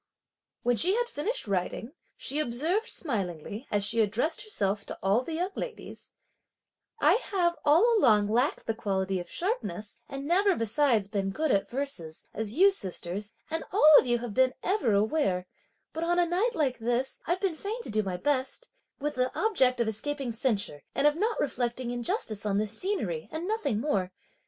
When she had finished writing, she observed smilingly, as she addressed herself to all the young ladies: "I have all along lacked the quality of sharpness and never besides been good at verses; as you, sisters, and all of you have ever been aware; but, on a night like this I've been fain to do my best, with the object of escaping censure, and of not reflecting injustice on this scenery and nothing more.